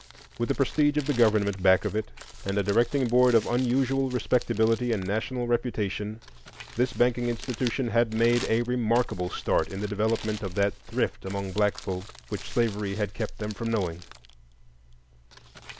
With the prestige of the government back of it, and a directing board of unusual respectability and national reputation, this banking institution had made a remarkable start in the development of that thrift among black folk which slavery had kept them from knowing.